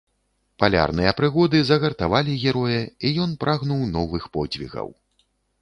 Палярныя прыгоды загартавалі героя, і ён прагнуў новых подзвігаў.